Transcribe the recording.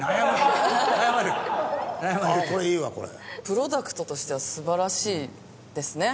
プロダクトとしては素晴らしいですね。